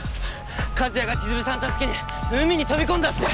和也が千鶴さん助けに海に飛び込んだって！